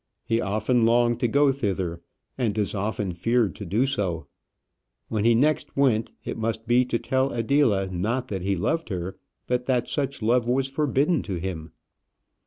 He often longed to go thither, and as often feared to do so. When he next went, it must be to tell Adela, not that he loved her, but that such love was forbidden to him.